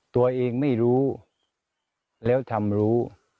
ตัวเองไม่รู้แล้วทำรู้